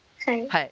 はい。